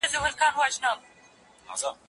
موږ په تکراري بندونو بسنه کوو ځکه نور شعرونه نشته.